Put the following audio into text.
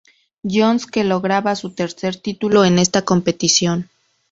John's, que lograba su tercer título en esta competición.